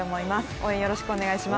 応援よろしくお願いします。